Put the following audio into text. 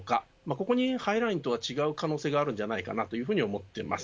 ここにハイラインとは違う可能性があるんじゃないかなというふうに思っています。